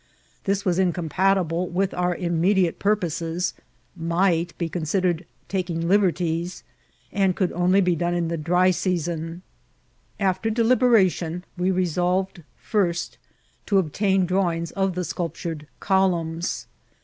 This was incompatible with our immediate purposes, might be considered taking liberties, and could only be done in die dry seascm. After deliberation, we res(^yed first to obtain drawings of the sculptured columns.